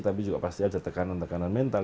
tapi juga pasti ada tekanan tekanan mental